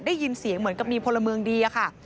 ได้ยินเสียงเหมือนกับมีพลเมืองดีอะค่ะ